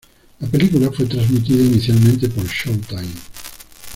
La película fue transmitida inicialmente por Showtime.